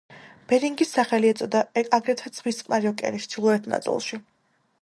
ბერინგის სახელი ეწოდა აგრეთვე ზღვას წყნარი ოკეანის ჩრდილოეთ ნაწილში.